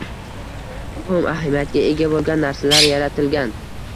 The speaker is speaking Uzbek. «Muhim ahamiyatga ega bo’lgan narsalar yaratilgan